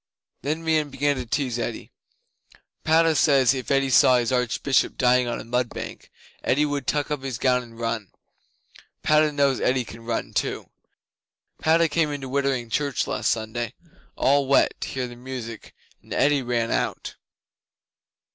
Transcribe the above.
'Then Meon began to tease Eddi: "Padda says, if Eddi saw his Archbishop dying on a mud bank Eddi would tuck up his gown and run. Padda knows Eddi can run too! Padda came into Wittering Church last Sunday all wet to hear the music, and Eddi ran out."